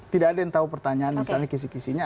tidak ada yang tahu pertanyaan misalnya kisih kisihnya